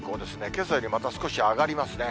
けさよりまた少し上がりますね。